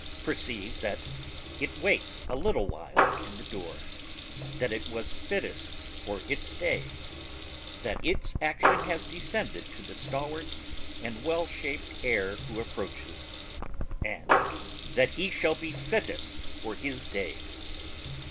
perceives that it waits a little while in the door ... that it was fittest for its days ... that its action has descended to the stalwart and well shaped heir who approaches ... and that he shall be fittest for his days.